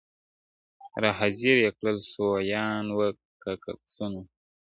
را حاضر یې کړل سویان وه که پسونه.!